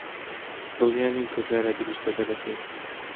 دڵنیا نیم کە کارە دروستەکە دەکەین.